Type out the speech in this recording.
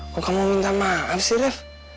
kok kamu minta maaf sih ref